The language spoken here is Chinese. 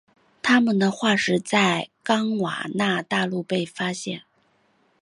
它们的化石在冈瓦纳大陆被发现。